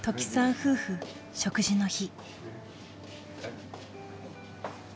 夫婦食事の日。